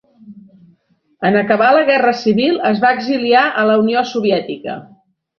En acabar la guerra civil es va exiliar a la Unió Soviètica.